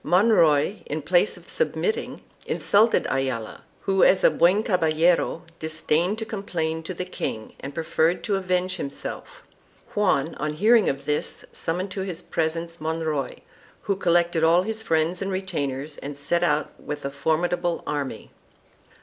Monroy, in place of submitting, insulted Ayala, who as a "buen caballero" disdained to complain to the king and preferred to avenge himself. Juan on hearing of this summoned to his presence Monroy, who collected all his friends and retainers and set out with a formidable army.